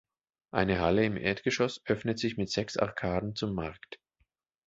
Eine Halle im Erdgeschoss öffnet sich mit sechs Arkaden zum Markt.